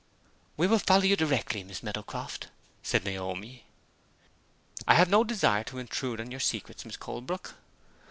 "We will follow you directly, Miss Meadowcroft," said Naomi. "I have no desire to intrude on your secrets, Miss Colebrook."